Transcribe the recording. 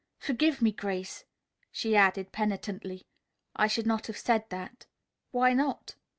"Forgive me, Grace," she added penitently. "I should not have said that." "Why not?"